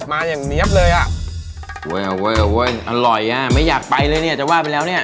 มาอย่างเงียบเลยอ่ะเว้ยมั่นยากไปเลยเนี้ย